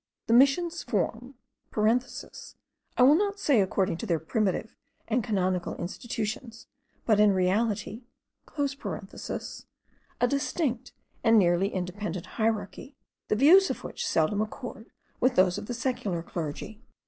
The Missions form (I will not say according to their primitive and canonical institutions, but in reality) a distinct and nearly independent hierarchy, the views of which seldom accord with those of the secular clergy.